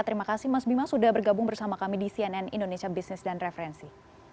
terima kasih mas bima sudah bergabung bersama kami di cnn indonesia business dan referensi